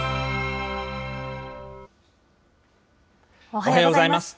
おはようございます。